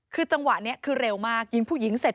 คือจังหวะนี้คือเร็วมากยิงผู้หญิงเสร็จ